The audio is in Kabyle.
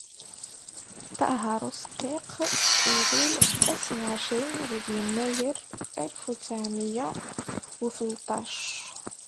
Ṭaher Useqqiq, ilul ass n εecrin deg yennayer alef u tesεemya u tleṭṭac.